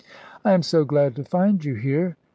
"I am so glad to find you here.